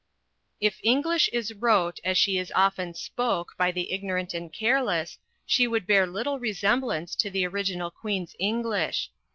If English is "wrote" as she is often "spoke" by the ignorant and careless, she would bear little resemblance to the original Queen's English.